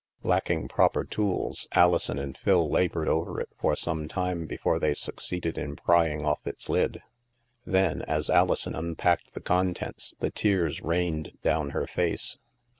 Lacking proper tools, Alison and Phil labored over it for some time before they succeeded in pry ing off its lid. Then, as Alison unpacked the con tents, the tears rained down her face.